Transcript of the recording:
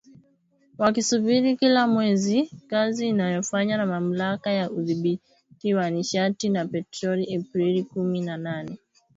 Wakisubiri kila mwezi kazi inayofanywa na Mamlaka ya Udhibiti wa Nishati na Petroli Aprili kumi na nne